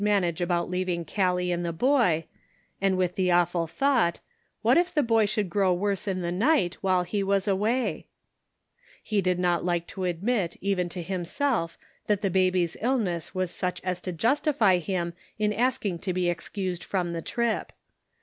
manage about leaving Gallic and the boy, and with the awful thought, what if the boy should grow worse in the night while he was away ? He did not like to admit even to himself that the baby's illness was such as to justify him in asking to be excused from the trip.